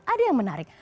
ada yang menarik